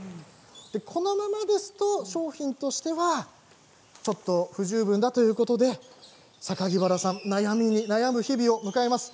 このままですと商品としては不十分だということで榊原さんは悩みに悩む日々を迎えます。